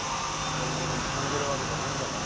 電源に繋いでるわけじゃないんだから。